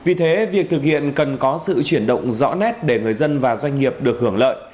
vì thế việc thực hiện cần có sự chuyển động rõ nét để người dân và doanh nghiệp được hưởng lợi